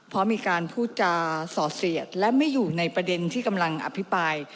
เพราะมีการพูดจาสอดเสียดและไม่อยู่ในประเด็นที่กำลังอภิปราย